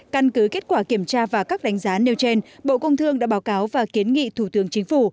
căn cứ kết quả kiểm tra và các đánh giá nêu trên bộ công thương đã báo cáo và kiến nghị thủ tướng chính phủ